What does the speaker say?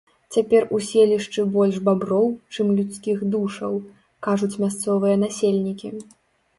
Цяпер у селішчы больш баброў, чым людскіх душаў, кажуць мясцовыя насельнікі.